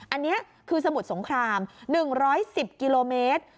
อันนี้คือสมุทรสงคราม๑๑๐กิโลเมตร